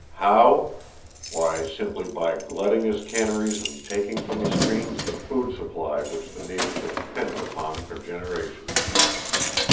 How? Why, simply by glutting his canneries and taking from the streams the food supply which the natives have depended upon for generations.